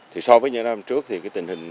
thì so với những năm trước thì cái tình hình